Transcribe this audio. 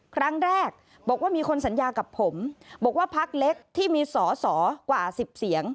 ครั้งแรกบอกว่ามีคนสัญญากับผมบอกว่าพักเล็กที่มีสอสอกว่า๑๐เสียง